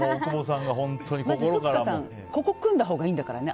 ふっかさん、ここ組んだほうがいいんだからね。